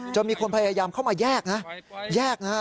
มีคนพยายามเข้ามาแยกนะแยกนะฮะ